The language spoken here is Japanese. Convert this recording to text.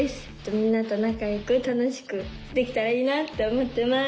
みんなと仲良く楽しくできたらいいなって思ってます。